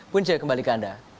punca kembali ke anda